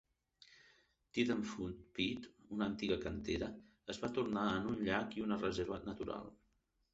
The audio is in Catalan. Tiddenfoot Pit, una antiga cantera, es va tornar en un llac i una reserva natural.